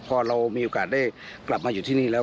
พอเรามีโอกาสได้กลับมาอยู่ที่นี่แล้ว